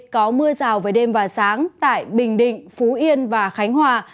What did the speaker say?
có mưa rào về đêm và sáng tại bình định phú yên và khánh hòa